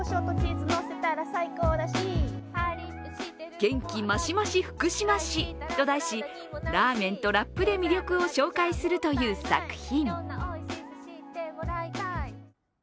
元気マシマシ福島市と題しラーメンとラップで魅力を紹介するという作品。